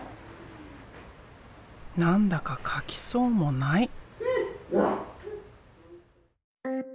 何だか描きそうもない。